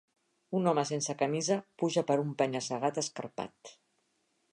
Un home sense camisa puja per un penya-segat escarpat.